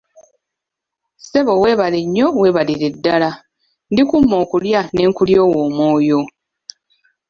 Ssebo weebale nnyo weebalire ddala, ndikumma okulya ne nkulyowa omwoyo!